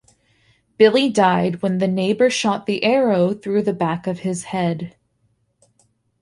Billy died when the neighbor shot the arrow through the back of his head.